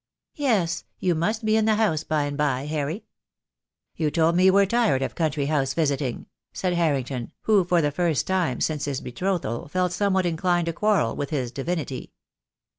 Yes, you must be in the House, by and bye, Harry." "You told me you were tired of country house visiting," said Harrington, who for the first time since his betrothal felt somewhat inclined to quarrel with his divinity.